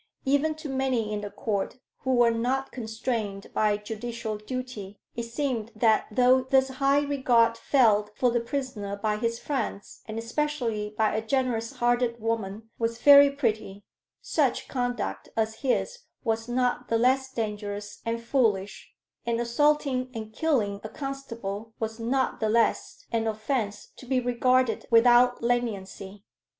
Even to many in the Court who were not constrained by judicial duty, it seemed that though this high regard felt for the prisoner by his friends, and especially by a generous hearted woman, was very pretty, such conduct as his was not the less dangerous and foolish, and assaulting and killing a constable was not the less an offence to be regarded without leniency.